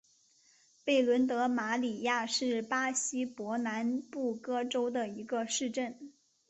贝伦德马里亚是巴西伯南布哥州的一个市镇。